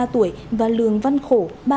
ba mươi ba tuổi và lường văn khổ